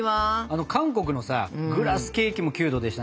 韓国のさグラスケーキもキュートでしたね。